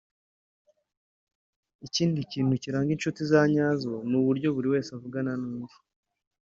Ikindi kintu kiranga inshuti za nyazo ni uburyo buri wese avugana n’undi